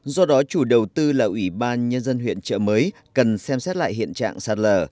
do đó chủ đầu tư là ủy ban nhân dân huyện trợ mới cần xem xét lại hiện trạng sạt lở